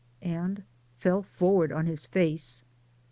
And fell forward on his face.